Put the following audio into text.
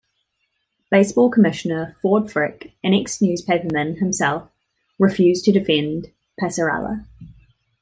Baseball commissioner Ford Frick, an ex-newspaperman himself, refused to defend Passarella.